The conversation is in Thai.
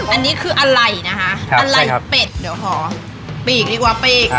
อันนี้ชื่อไหลนะคะไหลเป็ดเดี๋ยวขอปีกดีกว่าปีก